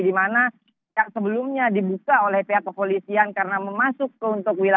dimana yang sebelumnya dibuka oleh pihak kepolisian karena memasuk untuk wilayah